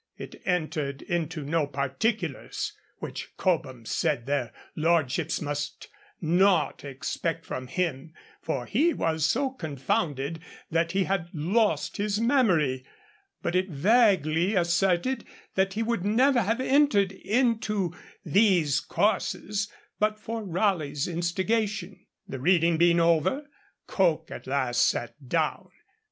It entered into no particulars, which Cobham said their lordships must not expect from him, for he was so confounded that he had lost his memory, but it vaguely asserted that he would never have entered into 'these courses' but for Raleigh's instigation. The reading being over, Coke at last sat down.